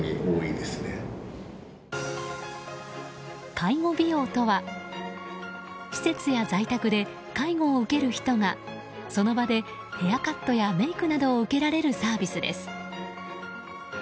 介護美容とは施設や在宅で介護を受ける人がその場で、ヘアカットやメイクなどを受けられるサービスです。